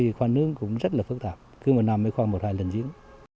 ở đây khoa nước cũng rất là phức tạp cứ một năm mới khoa một hai lần diễn